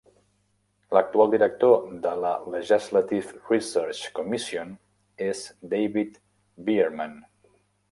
L'actual director de la Legislative Research Commission és David Byerman.